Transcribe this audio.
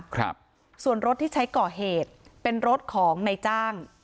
ครับส่วนรถที่ใช้ก่อเหตุเป็นรถของในจ้าง